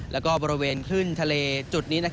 แล้วก็บริเวณขึ้นทะเลจุดนี้